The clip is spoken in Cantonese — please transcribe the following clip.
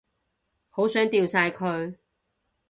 好想掉晒佢